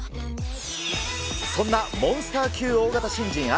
そんなモンスター級大型新人、ＩＶＥ。